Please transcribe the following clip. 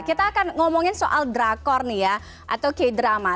kita akan ngomongin soal drakor nih ya atau k drama